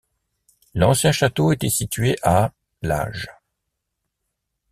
L'ancien château était situé à l'Age.